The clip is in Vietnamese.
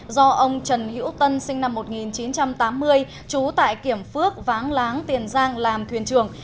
do ông trần hữu tân sinh năm một nghìn chín trăm tám mươi trú tại kiểm phước váng láng tiền giang làm thuyền trưởng